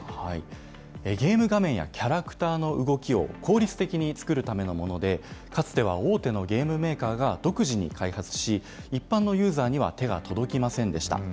ゲーム画面やキャラクターの動きを効率的に作るためのもので、かつては大手のゲームメーカーが独自に開発し、一般のユーザーには手が届きませんでした。